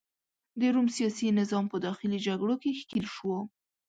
د روم سیاسي نظام په داخلي جګړو کې ښکیل شو.